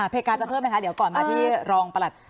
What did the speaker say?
เหตุการณ์จะเพิ่มไหมคะเดี๋ยวก่อนมาที่รองประหลัด